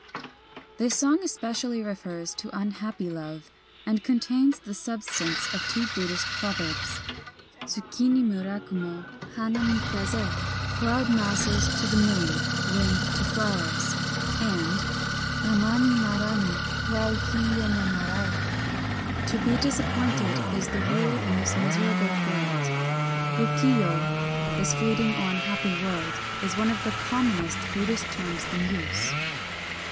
This song especially refers to unhappy love, and contains the substance of two Buddhist proverbs : Tsuki ni mura kumo, hana ni kaze (cloud masses to the moon ; wind to flowers) ; and Mama ni naranu wa uki yo no narai (to be disappointed is the rule in this miserable world). " Uki yo " (this fleeting or unhappy world) is one of the commonest Buddhist terms in use.